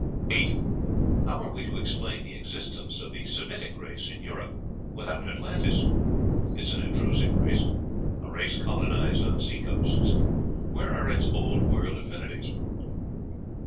8. How are we to explain the existence of the Semitic race in Europe without Atlantis? It is an intrusive race; a race colonized on sea coasts. Where are its Old World affinities?